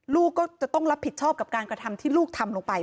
ลูกก็จะต้องรับผิดชอบกับการกระทำที่ลูกทำลงไป